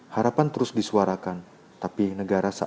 harapan terus disuarakan